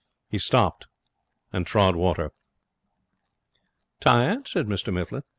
He stopped and trod water. 'Tired?' said Mr Mifflin.